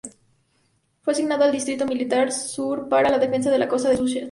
Fue asignado al distrito militar sur para la defensa de la costa de Sussex.